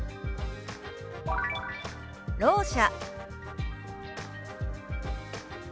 「ろう者」。